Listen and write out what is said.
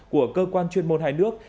của cơ quan chuyên môn hai nước